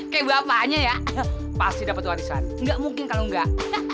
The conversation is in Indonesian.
kayak bapaknya ya pasti dapet warisan gak mungkin kalau enggak